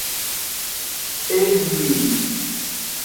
E dwui.